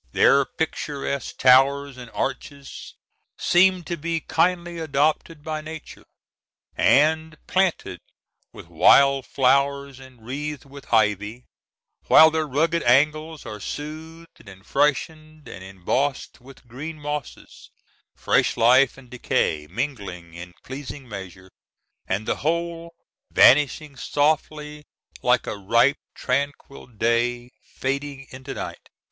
Their picturesque towers and arches seem to be kindly adopted by nature, and planted with wild flowers and wreathed with ivy; while their rugged angles are soothed and freshened and embossed with green mosses, fresh life and decay mingling in pleasing measures, and the whole vanishing softly like a ripe, tranquil day fading into night.